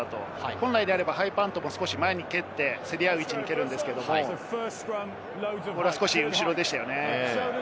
本来であればハイパントも少し前に蹴って、競り合う位置に蹴るんですけれども、少し後ろでしたね。